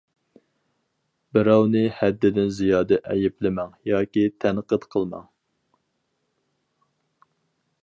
بىراۋنى ھەددىدىن زىيادە ئەيىبلىمەڭ ياكى تەنقىد قىلماڭ.